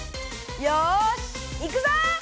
よしいくぞ！